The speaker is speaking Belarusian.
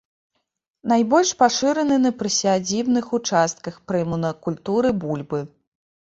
Найбольш пашыраны на прысядзібных участках пры монакультуры бульбы.